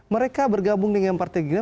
mereka bergabung dengan partai gerindra